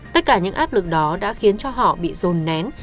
tất cả những áp lực đó đã khiến cho họ bị rồn nén